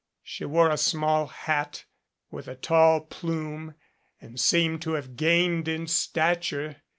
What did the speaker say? She wore a small hat with a tall plume and seemed to have gained in stature.